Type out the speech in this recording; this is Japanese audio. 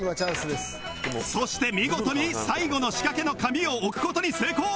そして見事に最後の仕掛けの紙を置く事に成功